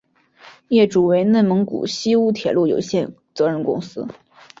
业主为内蒙古锡乌铁路有限责任公司。